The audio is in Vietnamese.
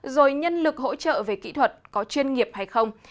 rồi nhân lực hỗ trợ về kỹ thuật có chuyên nghiệp hay không